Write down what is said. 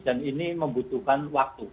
dan ini membutuhkan waktu